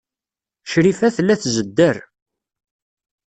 Crifa tella tzedder.